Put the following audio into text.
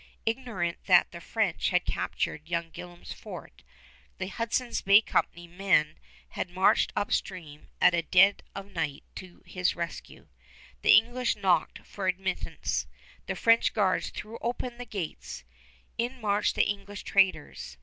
Ignorant that the French had captured young Gillam's fort, the Hudson's Bay Company men had marched upstream at dead of night to his rescue. The English knocked for admittance. The French guards threw open the gates. In marched the English traders.